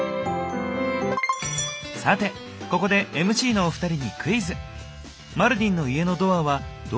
さてここでＭＣのお二人にクイズ！